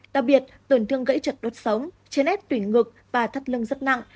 đặc biệt tổn thương gãy trật đốt sống trên ép tủy ngực và thắt lưng rất nặng